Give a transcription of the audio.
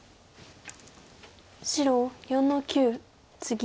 白４の九ツギ。